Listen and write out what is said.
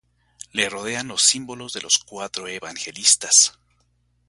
Le rodean los símbolos de los cuatro evangelistas.